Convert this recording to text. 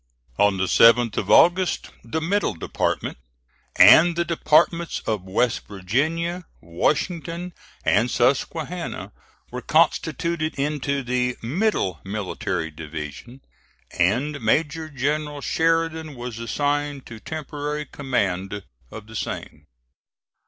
On the 7th of August, the Middle Department, and the Departments of West Virginia, Washington, and Susquehanna, were constituted into the "Middle Military Division," and Major General Sheridan was assigned to temporary command of the same.